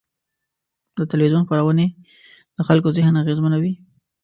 د تلویزیون خپرونې د خلکو ذهن اغېزمنوي.